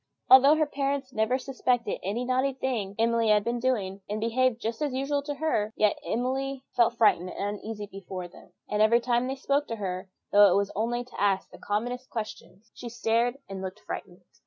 ] Although her parents never suspected what naughty thing Emily had been doing, and behaved just as usual to her, yet Emily felt frightened and uneasy before them; and every time they spoke to her, though it was only to ask the commonest question, she stared and looked frightened.